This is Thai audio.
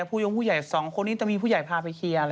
ก็อยู่ที่เอาไส้ตัวเองมาให้กากิน